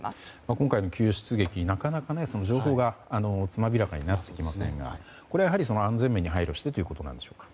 今回の救出劇なかなか情報がつまびらかになっていませんがこれ、やはり安全面に配慮してということでしょうか。